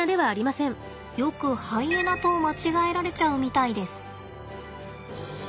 よくハイエナと間違えられちゃうみたいです。